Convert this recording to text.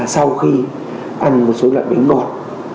sau khi ăn một số loại bánh ngọt